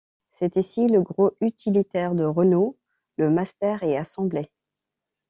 C’est ici que le gros utilitaire de Renault, le Master est assemblé.